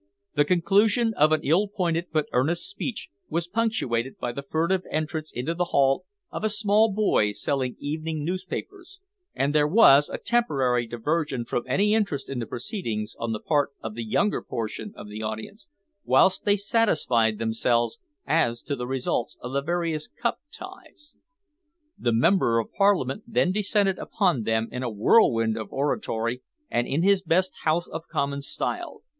The conclusion of an ill pointed but earnest speech was punctuated by the furtive entrance into the hall of a small boy selling evening newspapers, and there was a temporary diversion from any interest in the proceedings on the part of the younger portion of the audience, whilst they satisfied themselves as to the result of various Cup Ties. The Member of Parliament then descended upon them in a whirlwind of oratory and in his best House of Commons style.